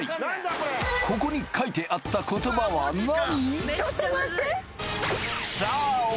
さあここに書いてあった言葉は何？